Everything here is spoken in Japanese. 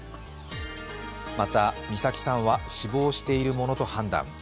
また、美咲さんは死亡しているものと判断。